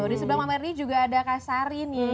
di sebelah mbak merdi juga ada kak sari nih